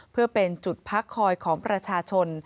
เพื่อเป็นจุดพักคอยของประชาชน